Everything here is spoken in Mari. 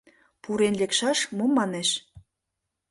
«Пурен лекшаш, мом манеш.